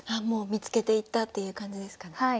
もう見つけていったっていう感じですかね。